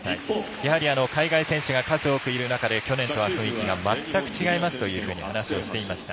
やはり海外選手が数多くいる中で去年とは雰囲気が全く違いますというふうに話をしていました。